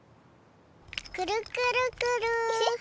くるくるくる。